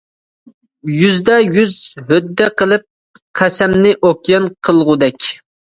يۈزدە يۈز ھۆددە قىلىپ قەسەمنى ئوكيان قىلغۇدەك.